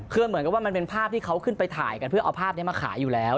คือเหมือนกับว่ามันเป็นภาพที่เขาขึ้นไปถ่ายกันเพื่อเอาภาพนี้มาขายอยู่แล้ว